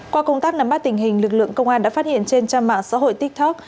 qua công tác nắm bắt tình hình lực lượng công an đã phát hiện trên trang mạng xã hội tiktok